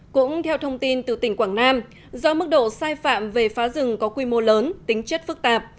cũng theo thông tin từ tỉnh quảng nam do mức độ sai phạm về phá rừng có quy mô lớn tính chất phức tạp